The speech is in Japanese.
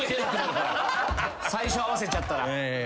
最初合わせちゃったら。